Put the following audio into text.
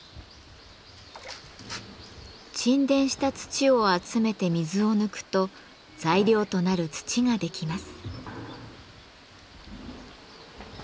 沈殿した土を集めて水を抜くと材料となる土ができます。